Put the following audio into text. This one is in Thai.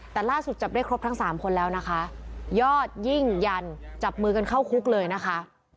แต่ล่าสุดจับได้ครบทั้งสามคนแล้วนะคะยอดยิ่งยันจับมือกันเข้าคุกเลยนะคะ